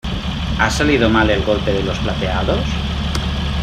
¿ ha salido mal el golpe de los plateados?